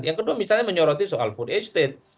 yang kedua misalnya menyoroti soal food estate